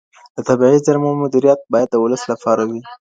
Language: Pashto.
د طبیعي زیرمو مدیریت باید د ولس لپاره وي.